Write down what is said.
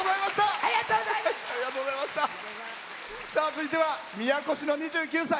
続いては宮古市の２９歳。